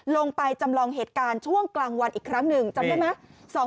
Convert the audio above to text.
ลงไปจำลองเหตุการณ์ช่วงกลางวันอีกครั้งหนึ่งจำได้ไหม